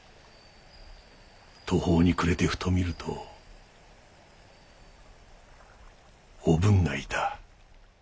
途方に暮れてふと見るとおぶんがいた。